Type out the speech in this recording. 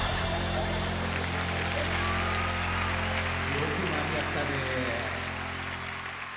よく間に合ったね。